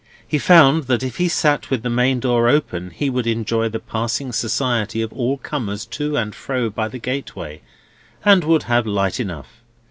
He found that if he sat with the main door open he would enjoy the passing society of all comers to and fro by the gateway, and would have light enough.